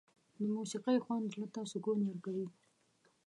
د موسيقۍ خوند زړه ته سکون ورکوي.